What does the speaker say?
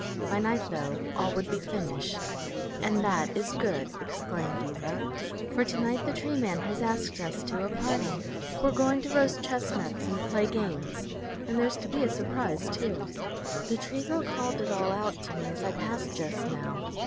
By night, though, all would be finished. "And that is good!" exclaimed Ivra. "For to night the Tree Man has asked us to a party. We're going to roast chestnuts and play games, and there's to be a surprise, too. The Tree Girl called it all out to me as I passed just now.